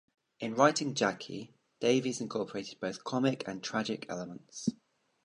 In writing Jackie, Davies incorporated both comic and tragic elements.